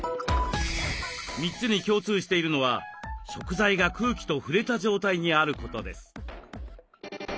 ３つに共通しているのは食材が空気と触れた状態にあることです。